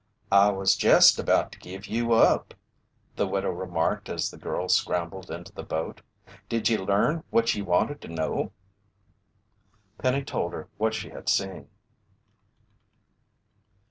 "I was jest about to give you up," the widow remarked as the girl scrambled into the boat. "Did ye learn what ye wanted to know?" Penny told her what she had seen.